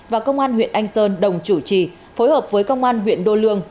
và công an huyện anh sơn đồng chủ trì phối hợp với công an huyện đô lương